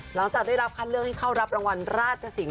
หลังจากได้รับคัดเลือกให้เข้ารับรางวัลราชสิงห